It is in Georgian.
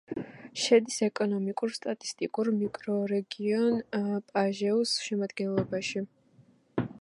შედის ეკონომიკურ-სტატისტიკურ მიკრორეგიონ პაჟეუს შემადგენლობაში.